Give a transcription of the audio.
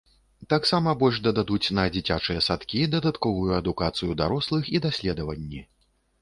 Таксама больш дадуць на дзіцячыя садкі, дадатковую адукацыю дарослых і даследаванні.